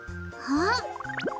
あっ！